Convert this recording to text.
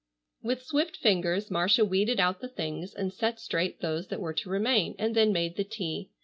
With swift fingers Marcia weeded out the things, and set straight those that were to remain, and then made the tea.